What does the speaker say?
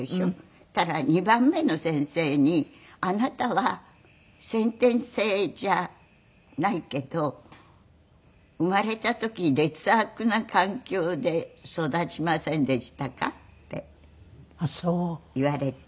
そしたら２番目の先生に「あなたは先天性じゃないけど生まれた時劣悪な環境で育ちませんでしたか？」って言われて。